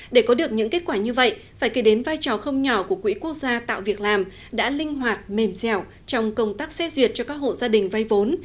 để có được những kết quả như vậy phải kể đến vai trò không nhỏ của quỹ quốc gia tạo việc làm đã linh hoạt mềm dẻo trong công tác xét duyệt cho các hộ gia đình vay vốn